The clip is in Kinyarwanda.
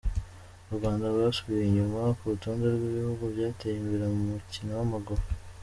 U Rwanda rwasubiye inyuma ku rutonde rwibihugu byateye imbere mumukino wamaguru